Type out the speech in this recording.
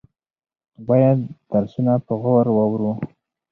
باید دا درسونه په غور واورو.